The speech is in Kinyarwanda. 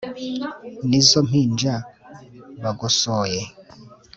Nizo mpinja bagosoye